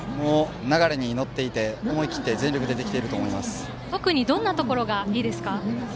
流れに乗っていて思い切って全力で特にどんなところがいいですか？